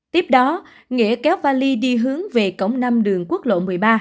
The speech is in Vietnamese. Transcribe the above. tiếp đó nghĩa kéo vali đi hướng về cổng năm đường quốc lộ một mươi ba